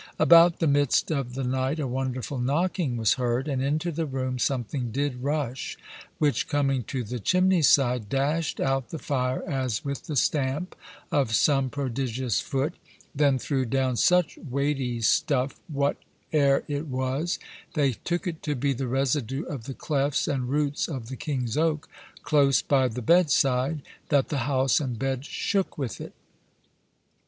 About the midst of the night a wonderful knocking was heard, and into the room something did rush, which coming to the chimney side, dasht out the fire as with the stamp of some prodigious foot, then threw down such weighty stuffe, what ere it was, (they took it to be the residue of the clefts and roots of the King's Oak,) close by the bed side, that the house and bed shook with it.